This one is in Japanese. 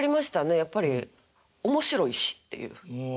やっぱり面白いしっていう。